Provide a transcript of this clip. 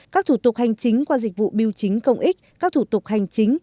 các thủ tục hành chính qua dịch vụ biêu chính công ích các thủ tục hành chính